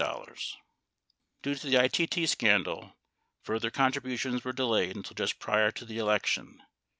4 Due to the ITT scandal, further con tributions were delayed until just prior to the election.